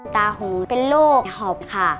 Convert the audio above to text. ตาของหนูเป็นโรคหอบค่ะ